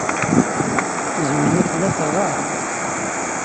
Zwina tella teɣɣar-d.